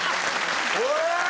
おい！